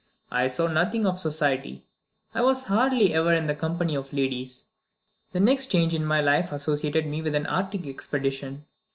I saw nothing of society; I was hardly ever in the company of ladies. The next change in my life associated me with an Arctic expedition.